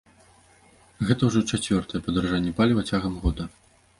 Гэта ўжо чацвёртае падаражанне паліва цягам года.